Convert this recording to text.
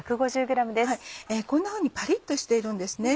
こんなふうにパリっとしているんですね。